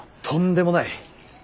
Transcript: とんでもない。